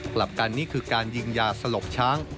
กลับกันนี่คือการยิงยาสลบช้าง